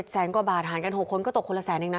แสนกว่าบาทหารกัน๖คนก็ตกคนละแสนเองนะ